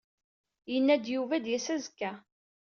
Yenna-d Yuba ad d-yas azekka.